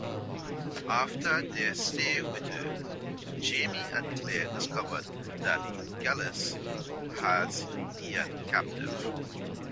After their stay with her, Jamie and Claire discover that Geillis has Ian captive.